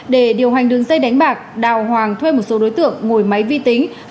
để điều hành đường dây đánh bạc đào hoàng thuê một số đối tượng ngồi máy vi tính